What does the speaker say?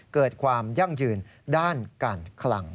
เกิดความยั่งยืนด้านการคลัง